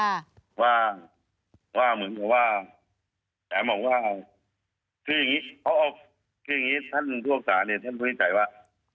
ว่าว่าเหมือนกับว่าแต่บอกว่าเอาคืออย่างงี้เขาเอาคืออย่างงี้ท่านผู้รักษาเนี่ยท่านวินิจฉัยว่า